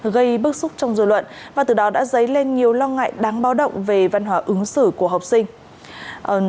gây bức xúc trong dư luận và từ đó đã dấy lên nhiều lo ngại đáng báo động về văn hóa ứng xử của học sinh